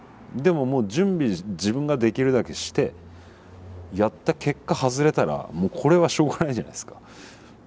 でももう準備自分ができるだけしてやった結果外れたらこれはしょうがないじゃないですか。